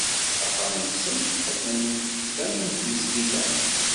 Axxam-nsen atan tama n tmesgida.